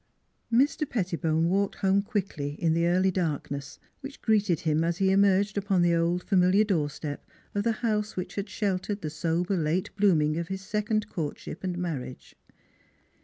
Mr. Pettibone walked home quickly in the early darkness, which greeted him as he emerged upon the old familiar doorstep of the house which had sheltered the sober late blooming of his second courtship and marriage.